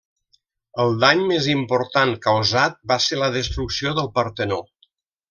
El dany més important causat va ser la destrucció del Partenó.